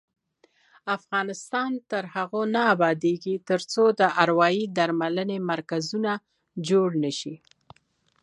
افغانستان تر هغو نه ابادیږي، ترڅو د اروايي درملنې مرکزونه جوړ نشي.